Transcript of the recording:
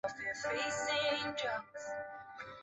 二是派员打入日伪内部搜集情报。